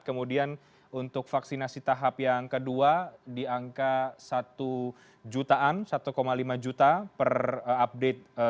kemudian untuk vaksinasi tahap yang kedua di angka satu jutaan satu lima juta per update